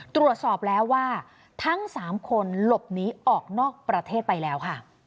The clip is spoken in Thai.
ตรวจสอบแล้วว่าทั้ง๓คนหลบหนีออกนอกประเทศไปแล้วค่ะ